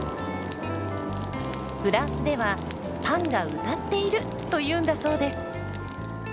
フランスでは「パンが歌っている！」というんだそうです。